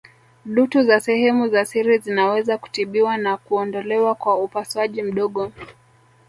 Dutu za sehemu za siri zinaweza kutibiwa na kuondolewa kwa upasuaji mdogo